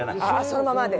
そのままで。